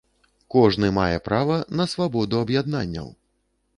Кожны мае права на свабоду аб’яднанняў.